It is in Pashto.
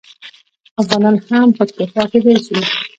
افغانان هم خودکفا کیدی شي.